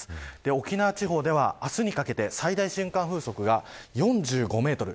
沖縄地方では明日にかけて最大瞬間風速が４５メートル。